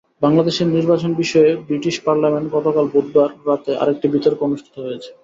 বাংলাদেশের নির্বাচন বিষয়ে ব্রিটিশ পার্লামেন্টে গতকাল বুধবার রাতে আরেকটি বিতর্ক অনুষ্ঠিত হয়েছে।